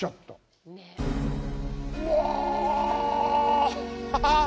うわあぁ！